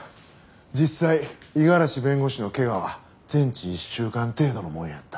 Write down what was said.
実際五十嵐弁護士の怪我は全治１週間程度のものやった。